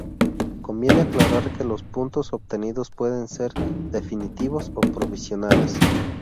Conviene aclarar que los puntos obtenidos pueden ser definitivos o provisionales.